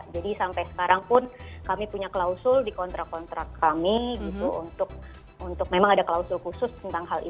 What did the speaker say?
jadi sampai sekarang pun kami punya klausul di kontrak kontrak kami gitu untuk memang ada klausul khusus tentang kursi